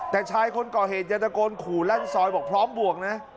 แต่ชายคนก่อเหตุจะตะโกนขู่ลั่นซอยบอกพร้อมบวกนะ